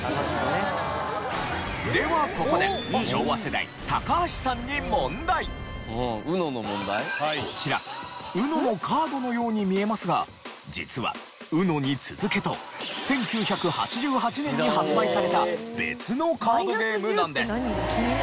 ではここで昭和世代高橋さんにこちらＵＮＯのカードのように見えますが実はＵＮＯに続けと１９８８年に発売された別のカードゲームなんです。